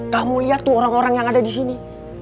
kamu lihat tuh orang orang yang ada disini